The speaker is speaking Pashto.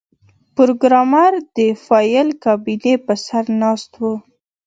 پروګرامر د فایل کابینې په سر ناست و